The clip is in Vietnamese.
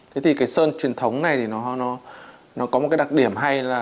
thế thì cái sơn truyền thống này thì nó có một đặc điểm hay